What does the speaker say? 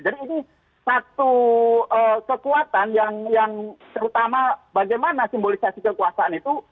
jadi ini satu kekuatan yang terutama bagaimana simbolisasi kekuasaan itu